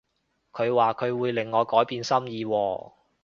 佢話佢會令我改變心意喎